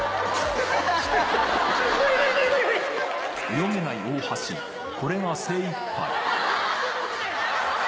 泳げない大橋、これが精いっぱい。